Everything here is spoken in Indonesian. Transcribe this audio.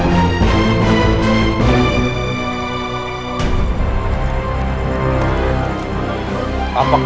kembali ke gelenek bagianmu